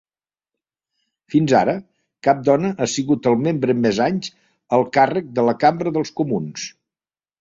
Fins ara, cap dona ha sigut el membre amb més anys al càrrec de la Cambra dels Comuns.